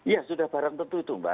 ya sudah barang tentu itu mbak